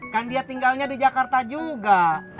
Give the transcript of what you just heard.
kan dia tinggalnya di jakarta juga